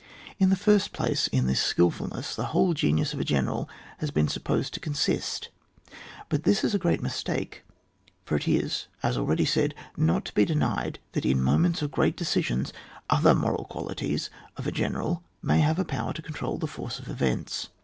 In the first place, in this skilfulness the whole genius of a general has been supposed to consist; but this is a great mistake, for it is, as already said, not to be denied that in moments of great decisions other moral qualities of a general may have power to control the force of events.